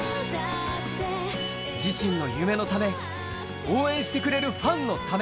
自身の夢のため、応援してくれるファンのため、